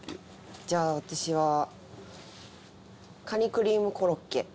じゃあ私はカニクリームコロッケ。